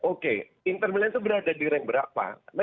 oke inter milan itu berada di rang berapa